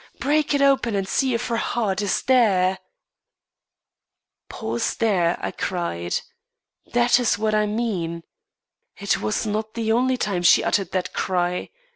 Break it open! and see if her heart is there!'" "Pause there," I said; "that is what I mean. It was not the only time she uttered that cry.